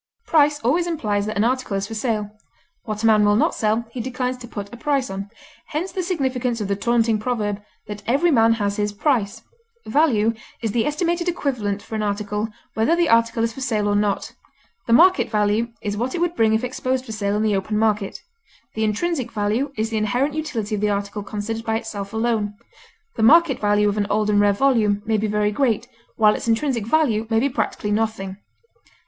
Price always implies that an article is for sale; what a man will not sell he declines to put a price on; hence the significance of the taunting proverb that "every man has his price." Value is the estimated equivalent for an article, whether the article is for sale or not; the market value is what it would bring if exposed for sale in the open market; the intrinsic value is the inherent utility of the article considered by itself alone; the market value of an old and rare volume may be very great, while its intrinsic value may be practically nothing.